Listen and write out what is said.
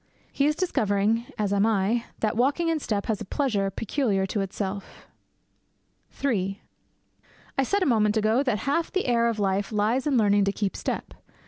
He is discovering, as I am, that walking in step has a pleasure peculiar to itself. III I said a moment ago that half the air of life lies in learning to keep step.